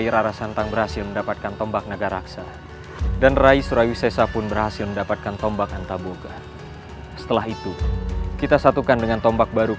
kau tidak butuh nasihatmu